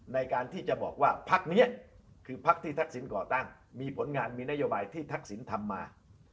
ในการที่จะบอกว่าพักนี้คือพักที่ทักษิณก่อตั้งมีผลงานมีนโยบายที่ทักษิณทำมา